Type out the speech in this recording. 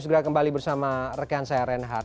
segera kembali bersama rekan saya reinhardt